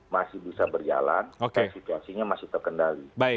masih bisa berjalan dan situasinya masih terkendali